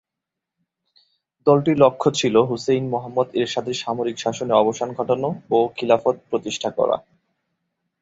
দলটির লক্ষ্য ছিল হুসেইন মুহাম্মদ এরশাদের সামরিক শাসনের অবসান ঘটানো ও খিলাফত প্রতিষ্ঠা করা।